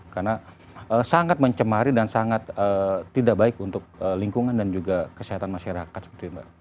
karena sangat mencemari dan sangat tidak baik untuk lingkungan dan juga kesehatan masyarakat seperti itu mbak